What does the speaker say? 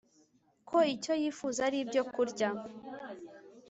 ko icyo yifuza ari ibyokurya